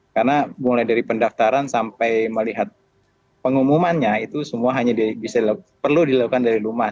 karena mulai dari pendaftaran sampai melihat pengumumannya itu semua hanya perlu dilakukan dari rumah